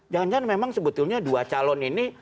jangan jangan memang sebetulnya dua calon ini